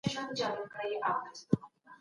ساینس پوهان د علتونو د معلومولو لپاره څېړنې کوي.